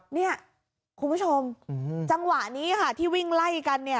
เนี่ยคุณผู้ชมจังหวะนี้ค่ะที่วิ่งไล่กันเนี่ย